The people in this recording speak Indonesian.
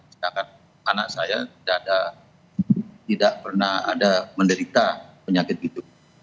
sedangkan anak saya tidak pernah ada menderita penyakit itu